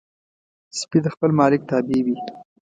سپي د خپل مالک تابع وي.